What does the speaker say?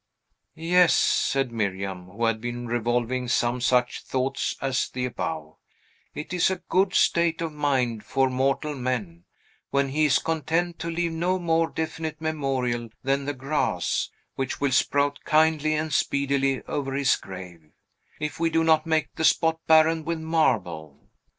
"Yes," said Miriam, who had been revolving some such thoughts as the above, "it is a good state of mind for mortal man, when he is content to leave no more definite memorial than the grass, which will sprout kindly and speedily over his grave, if we do not make the spot barren with marble.